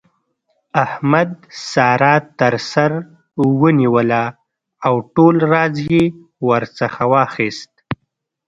احمد؛ سارا تر سر ونيوله او ټول راز يې ورڅخه واخيست.